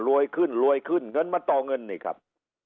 ขึ้นรวยขึ้นเงินมาต่อเงินนี่ครับ